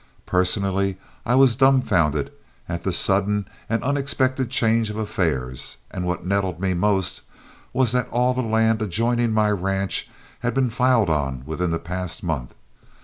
Personally I was dumfounded at the sudden and unexpected change of affairs, and what nettled me most was that all the land adjoining my ranch had been filed on within the past month.